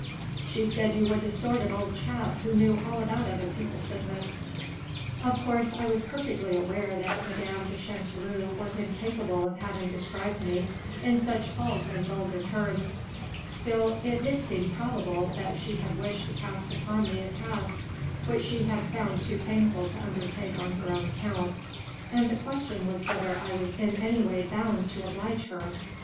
She said you were the sort of old chap who knew all about other people's business." Of course I was perfectly well aware that Madame de Chanteloup was incapable of having described me in such false and vulgar terms; still it did seem probable that she had wished to cast upon me a task which she had found too painful to undertake on her own account, and the question was whether I was in any way bound to oblige her.